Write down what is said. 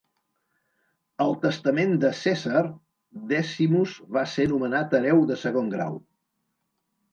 Al testament de Cèsar, Decimus va ser nomenat hereu de segon grau.